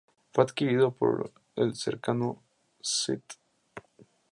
Fue adquirido por el cercano "St.